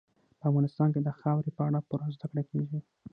په افغانستان کې د خاورې په اړه پوره زده کړه کېږي.